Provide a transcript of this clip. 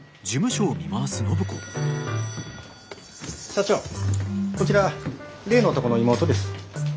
社長こちら例の男の妹です。